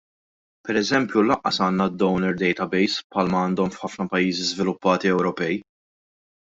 Pereżempju lanqas għandna d-donor database bħalma għandhom f'ħafna pajjiżi żviluppati Ewropej.